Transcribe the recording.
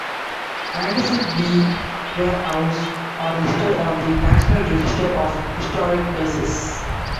Anderson B. Quay House are listed on the National Register of Historic Places.